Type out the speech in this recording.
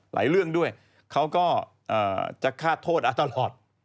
หลายเรื่องด้วยเขาก็จะฆ่าโทษตลอด